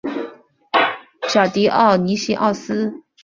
小狄奥尼西奥斯。